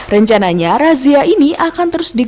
rencananya razia ini akan terus digelar